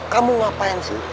kamu ngapain sih